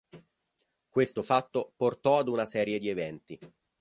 Questo fatto portò ad una serie di eventi.